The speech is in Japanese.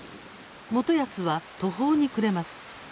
元康は途方に暮れます。